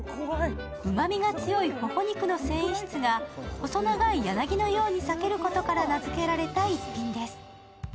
うまみが強いほほ肉の繊維質が細長い柳のようにさけることから名づけられた一品です。